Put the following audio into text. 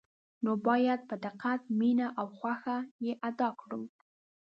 نو باید په دقت، مینه او خوښه یې ادا کړو.